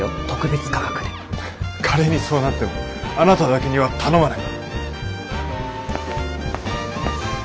仮にそうなってもあなただけには頼まない。